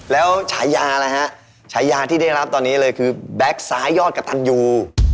แล้วฉายาอะไรฮะฉายาที่ได้รับตอนนี้เลยคือแบ็คซ้ายยอดกระตันยู